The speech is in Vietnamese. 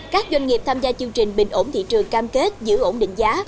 các doanh nghiệp tham gia chương trình bình ổn thị trường cam kết giữ ổn định giá